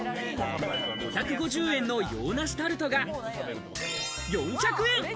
５５０円の洋梨タルトが４００円。